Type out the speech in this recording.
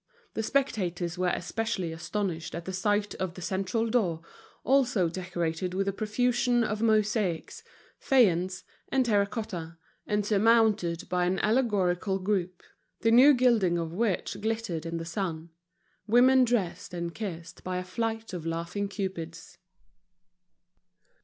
The spectators were especially astonished at the sight of the central door, also decorated with a profusion of mosaics, faience, and terra cotta, and surmounted by an allegorical group, the new gilding of which glittered in the sun: Woman dressed and kissed by a flight of laughing cupids.